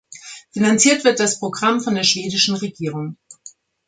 Finanziert wird das Programm von der schwedischen Regierung.